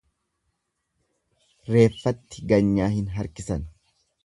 Reeffatti ganyaa hin harkisan.